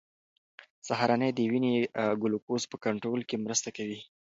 سهارنۍ د وینې ګلوکوز په کنټرول کې مرسته کوي.